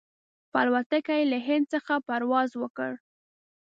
په الوتکه کې یې له هند څخه پرواز وکړ.